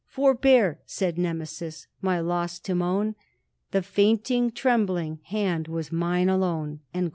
Forbear, said Nemesis, my loss to moan, The fainting trembling hand was mine alone."